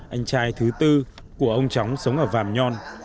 anh trai thứ tư của ông chóng sống ở vàm nhon